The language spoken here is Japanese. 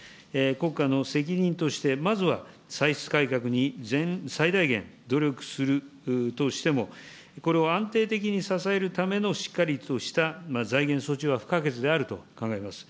国家の責任として、まずは歳出改革に最大限努力するとしても、これを安定的に支えるためのしっかりとした財源措置は不可欠であると考えます。